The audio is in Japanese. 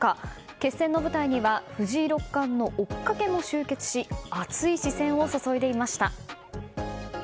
決戦の舞台には藤井六冠の追っかけも集結し熱い視線を注いでいました。